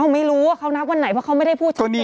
ไม่รู้ว่าเขานับวันไหนเพราะเขาไม่ได้พูดถึง